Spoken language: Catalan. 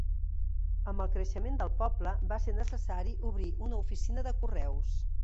Amb el creixement del poble, va ser necessari obrir una oficina de correus.